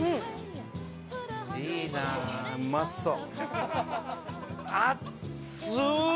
いいなうまそう。